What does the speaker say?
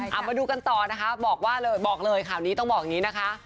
เอามาดูกันต่อนะคะบอกเลยค่ะต้องบอกอย่างนี้นะคะ